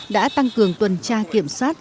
đã tăng cường tuần tra kiểm soát